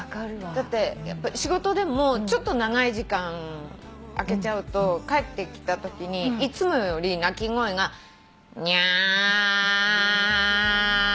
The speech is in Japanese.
だってやっぱり仕事でもちょっと長い時間空けちゃうと帰ってきたときにいつもより鳴き声がニャーってこれぐらい長くなるから。